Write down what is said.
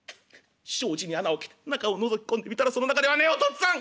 障子に穴を開けて中をのぞき込んでみたらその中ではねお父っつぁん！」。